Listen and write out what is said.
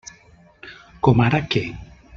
Com ara què?